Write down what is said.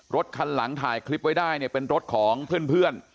รถคันหลังถ่ายคลิปไว้ได้เนี่ยเป็นรถของเพื่อน